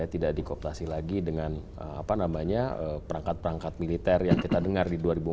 jadi kita dikooptasi lagi dengan perangkat perangkat militer yang kita dengar di dua ribu empat belas